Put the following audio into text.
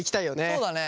そうだね。